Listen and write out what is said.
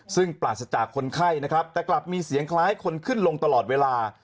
ซึ่งปราศจากคนไข้นะครับแต่กลับมีเสียงคล้ายคนขึ้นลงตลอดเวลา